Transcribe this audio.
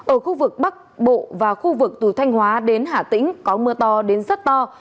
ở khu vực bắc bộ và khu vực từ thanh hóa đến hà tĩnh có mưa to đến rất to